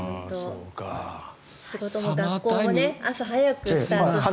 仕事も学校も朝早くスタートして。